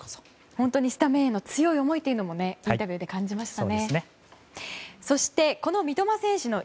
本当にスタメンへの強い思いというものインタビューで感じましたね。